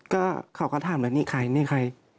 ก็เขาก็ถามแล้วนี่ใครนี่ใคร